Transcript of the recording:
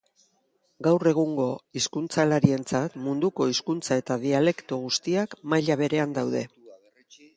Gaur egungo hizkuntzalarientzat munduko hizkuntza eta dialekto guztiak maila berean daude.